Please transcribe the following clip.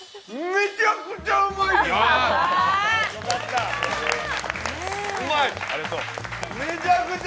めちゃくちゃうまい。